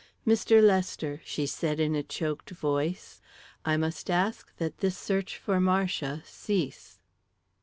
"Mr. Lester," she said, in a choked voice, "I must ask that this search for Marcia cease."